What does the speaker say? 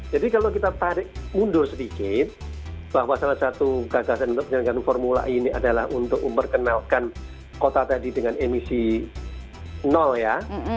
jadi kalau kita tarik mundur sedikit bahwa salah satu gagasan untuk penyelenggaran formula e ini adalah untuk memperkenalkan kota tadi dengan emisi nol ya